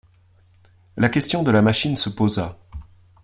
La question de la machine se posa.